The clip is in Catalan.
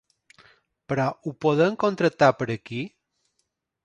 Però ho podem contractar per aquí?